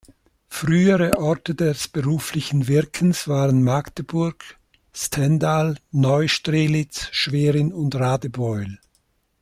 Frühere Orte des beruflichen Wirkens waren Magdeburg, Stendal, Neustrelitz, Schwerin und Radebeul.